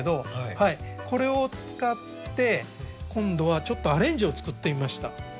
これを使って今度はちょっとアレンジを作ってみました。